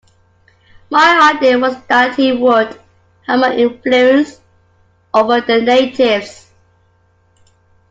My idea was that he would have more influence over the natives.